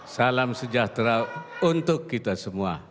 salam sejahtera untuk kita semua